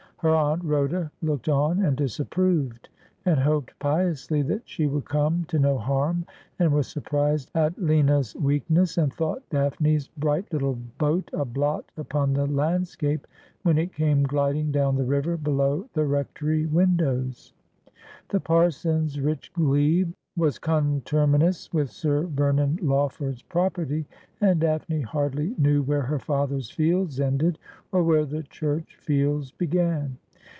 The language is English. Her Aunt Ehoda looked on and disapproved, and hoped piously that she would come to no harm, and was surprised at Lina's weakness, and thought Daphne's bright little boat a blot upon the landscape when it came gliding down the river below the Eectory windows. The parson's rich glebe was contermin ous with Sir Vernon Lawford's property, and Daphne hardly knew where her father's fields ended or where the church fields began.